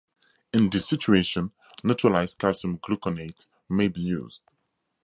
In this situation neutralized calcium gluconate may be used.